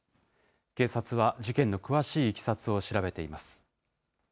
警察は事件の詳しいいきさつを調べています。